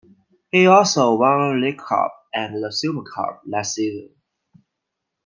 He also won the League Cup and the Super Cup that season.